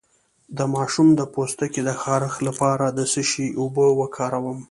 د ماشوم د پوستکي د خارښ لپاره د څه شي اوبه وکاروم؟